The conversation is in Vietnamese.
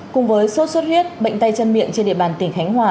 cùng với sốt xuất huyết bệnh tay chân miệng trên địa bàn tỉnh khánh hòa